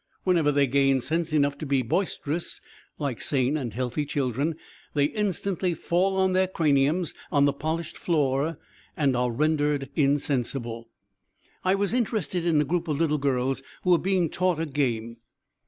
Whenever they gain sense enough to be boisterous like sane and healthy children, they instantly fall on their craniums on the polished floor and are rendered insensible. I was interested in a group of little girls who were being taught a game.